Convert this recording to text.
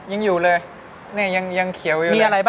ยังอยู่เลยยังเขียวอยู่เลย